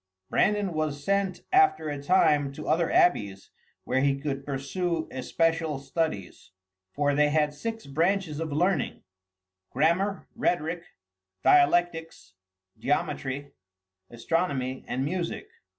Brandan was sent after a time to other abbeys, where he could pursue especial studies, for they had six branches of learning, grammar, rhetoric, dialectics, geometry, astronomy, and music.